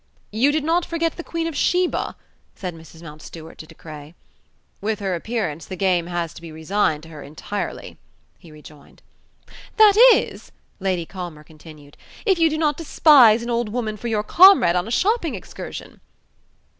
"You did not forget the Queen of Sheba?" said Mrs. Mountstuart to De Craye. "With her appearance, the game has to be resigned to her entirely," he rejoined. "That is," Lady Culmer continued, "if you do not despise an old woman for your comrade on a shopping excursion."